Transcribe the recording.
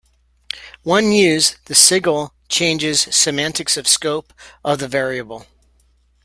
When used, the sigil changes the semantics of scope of the variable.